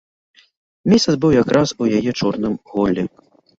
Месяц быў якраз у яе чорным голлі.